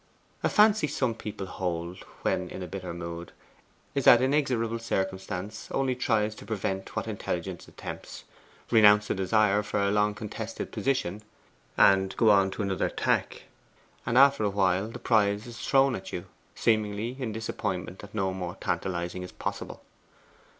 A fancy some people hold, when in a bitter mood, is that inexorable circumstance only tries to prevent what intelligence attempts. Renounce a desire for a long contested position, and go on another tack, and after a while the prize is thrown at you, seemingly in disappointment that no more tantalizing is possible.